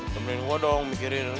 mending gue dong mikirin